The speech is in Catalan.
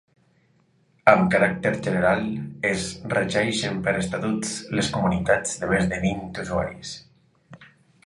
Amb caràcter general, es regeixen per Estatuts les comunitats de més de vint usuaris.